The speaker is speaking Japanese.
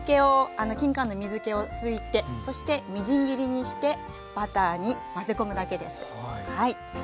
きんかんの水けを拭いてそしてみじん切りにしてバターに混ぜ込むだけです。